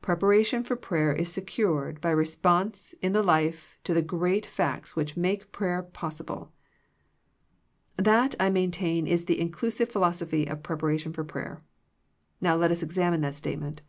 Preparation for prayer is secured by response in the life to the great facts which make prayer possible. That I maintain is the inclusive philosophy of preparation for prayer. Now let us examine that statement.